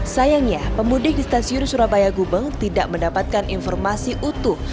sayangnya pemudik di stasiun surabaya gubeng tidak mendapatkan informasi utuh